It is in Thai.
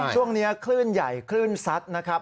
ช่วงนี้คลื่นใหญ่คลื่นซัดนะครับ